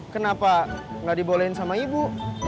kenapa nggak dibolehin sama ibu